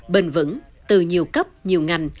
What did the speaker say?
bình vững từ nhiều cấp nhiều ngành